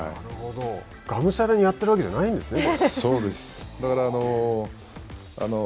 がむしゃらにやっているわけじゃないんですね。